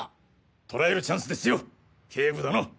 捕らえるチャンスですよ警部殿！